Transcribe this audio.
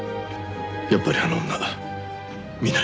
やっぱりあの女南井の。